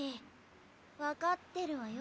分かってるわよ。